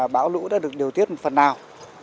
bão lũ đã được điều tiết một phần nào